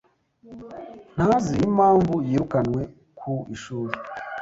ntazi n'impamvu yirukanwe ku ishuri.